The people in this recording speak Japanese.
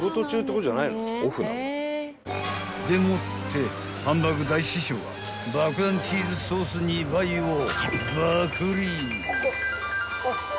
［でもってハンバーグ大師匠が爆弾チーズソース２倍をバクリ］